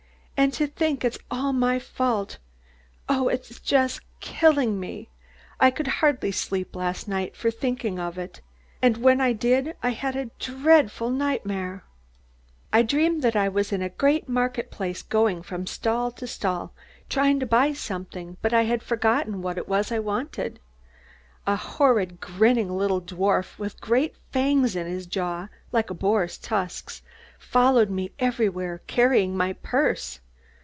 And to think it's all my fault! Oh, it is just killing me! I could hardly sleep last night for thinking of it, and when I did I had a dreadful nightmare. "I dreamed that I was in a great market place going from stall to stall, trying to buy something, but I had forgotten what it was I wanted. A horrid grinning little dwarf, with great fangs in his jaw, like a boar's tusks, followed me everywhere, carrying my purse.